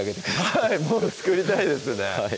はい作りたいですね